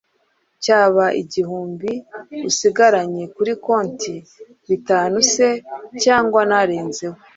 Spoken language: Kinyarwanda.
cyaba igihumbi ugishyire kuri konti, bitanu se cyangwa n’arenzeho.